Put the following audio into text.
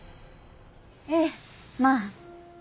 ええまあ。